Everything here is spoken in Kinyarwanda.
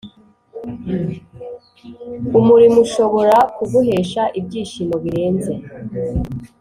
umurimo ushobora kuguhesha ibyishimo birenze.